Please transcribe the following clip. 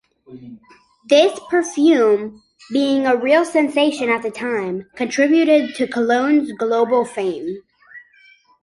This perfume, being a real sensation at the time, contributed to Cologne's global fame.